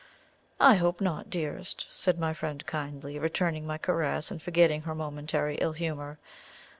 "I hope not, dearest," said my friend kindly, returning my caress and forgetting her momentary ill humour.